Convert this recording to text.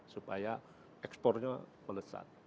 supaya ekspornya melesat